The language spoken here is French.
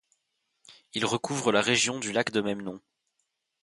Il recouvre la région du lac de même nom.